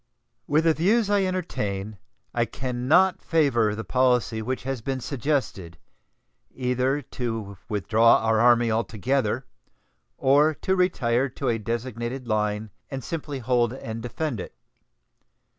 With the views I entertain I can not favor the policy which has been suggested, either to withdraw our Army altogether or to retire to a designated line and simply hold and defend it.